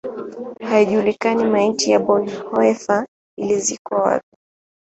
Haijulikani maiti ya Bonhoeffer ilizikwa wapi.